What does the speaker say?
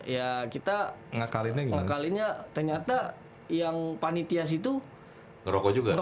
ya kita ngakalinnya ternyata yang panitias itu ngerokok juga